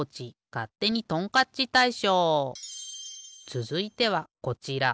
つづいてはこちら。